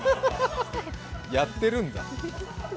やってるんだ。